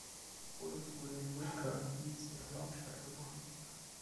Bolus wurde in Whitkirk, Leeds in Yorkshire geboren.